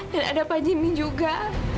dan ada pak jimmy juga